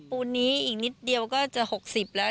ปูนนี้อีกนิดเดียวก็จะ๖๐แล้ว